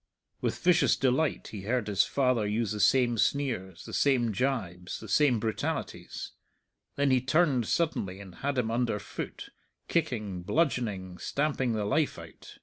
With vicious delight he heard his father use the same sneers, the same gibes, the same brutalities; then he turned suddenly and had him under foot, kicking, bludgeoning, stamping the life out.